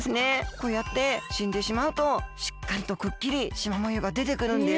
こうやってしんでしまうとしっかりとくっきりしまもようがでてくるんです。